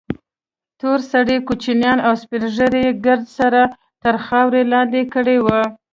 تور سرې کوچنيان او سپين ږيري يې ګرد سره تر خارور لاندې کړي وو.